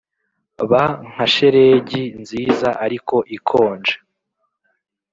ba nka shelegi, nziza, ariko ikonje.